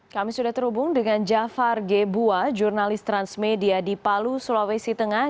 kami sudah terhubung dengan jafar gebua jurnalis transmedia di palu sulawesi tengah